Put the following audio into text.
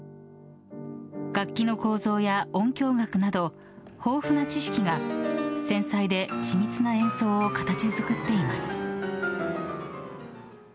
楽器の構造や音響学など豊富な知識が繊細で緻密な演奏を形作っています。